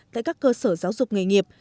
tại các cơ sở giáo dục nghiệp